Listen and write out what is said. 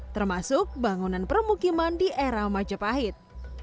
termasuk bangunan permukiman di era majapahit